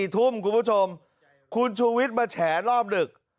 ๔ทุ่มคุณผู้ชมคุณชูวิทย์มาแฉรอบดึก